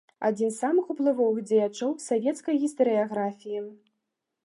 Адзін з самых уплывовых дзеячаў савецкай гістарыяграфіі.